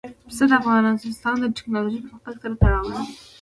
پسه د افغانستان د تکنالوژۍ پرمختګ سره تړاو لري.